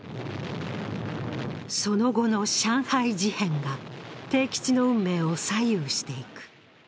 その後の上海事変が悌吉の運命を左右していく。